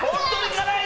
辛い！